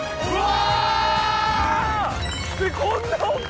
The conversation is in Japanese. うわ！